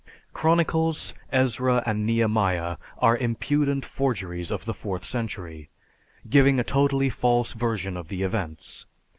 Chronicles, Ezra, and Nehemiah are impudent forgeries of the fourth century, giving a totally false version of the events.